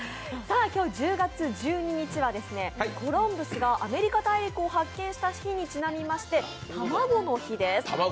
今日１０月１２日はコロンブスがアメリカ大陸を発見した日にちなみまして卵の日です。